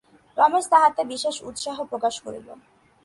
রমেশ তাহাতে বিশেষ উৎসাহ প্রকাশ করিল।